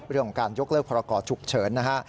เรื่องของการยกเลิกพรกรฉุกเฉินนะฮะ